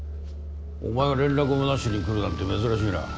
お前が連絡もなしに来るなんて珍しいな。